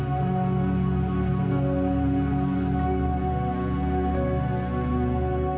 alia pergi dulu ya